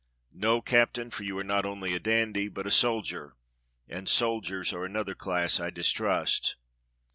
"No, Captain, for you are not only a dandy, but a soldier, and soldiers are another class I distrust."